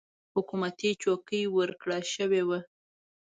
حکومتي چوکۍ ورکړه شوې وه.